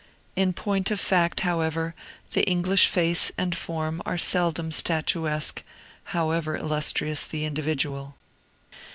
In point of fact, however, the English face and form are seldom statuesque, however illustrious the individual.